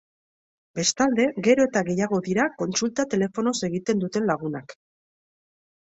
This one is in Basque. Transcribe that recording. Bestalde, gero eta gehiago dira kontsulta telefonoz egiten duten lagunak.